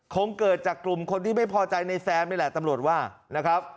คงเกิดจากกลุ่มคนที่ไม่พอใจในแซมนี่แหละตำรวจว่านะครับ